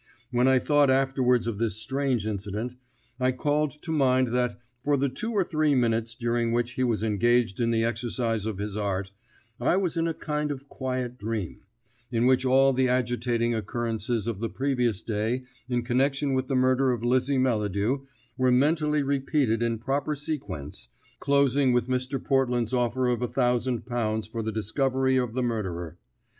When I thought afterwards of this strange incident I called to mind that, for the two or three minutes during which he was engaged in the exercise of his art, I was in a kind of quiet dream, in which all the agitating occurrences of the previous day in connection with the murder of Lizzie Melladew were mentally repeated in proper sequence, closing with Mr. Portland's offer of a thousand pounds for the discovery of the murderer.